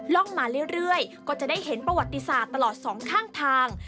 ร่องมาเรื่อยก็จะได้เห็นประวัติศาสตร์ตลอดสองข้างทาง